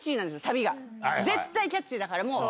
絶対キャッチーだから。